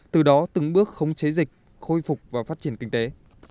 từ đó từng bước khống chế dịch khôi phục và phát triển kinh tế